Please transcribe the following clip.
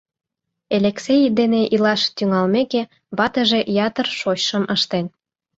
Элексей дене илаш тӱҥалмеке, ватыже ятыр шочшым ыштен.